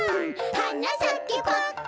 「はなさけパッカン」